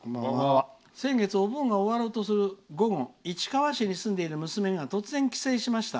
先月、お盆が終わろうとする午後市川市に住んでいる娘が突然、帰省しました。